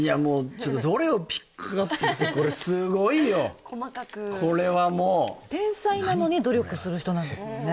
ちょっとどれをピックアップってこれすごいよこれはもう天才なのに努力する人なんですもんね